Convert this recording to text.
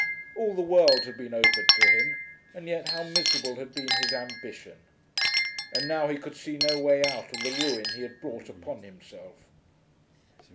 All the world had been open to him, and yet how miserable had been his ambition! And now he could see no way out of the ruin he had brought upon himself.